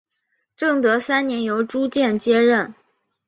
正德三年由朱鉴接任。